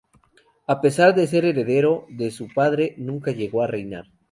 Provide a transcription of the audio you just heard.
A pesar de ser heredero de su padre, nunca llegó a reinar.